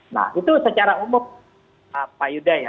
nah itu secara umum pak yudha ya